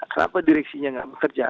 kenapa direksinya enggak bekerja